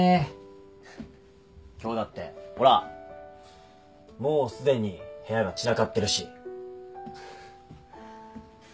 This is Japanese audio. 今日だってほらもうすでに部屋が散らかってるし。